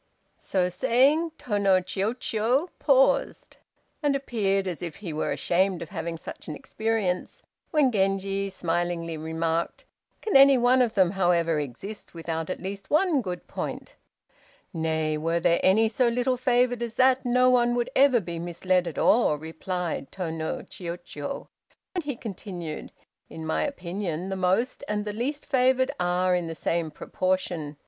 So saying Tô no Chiûjiô paused, and appeared as if he were ashamed of having such an experience, when Genji smilingly remarked, "Can any one of them, however, exist without at least one good point?" "Nay, were there any so little favored as that, no one would ever be misled at all!" replied Tô no Chiûjiô, and he continued, "In my opinion, the most and the least favored are in the same proportion.